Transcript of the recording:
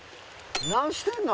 何してんの？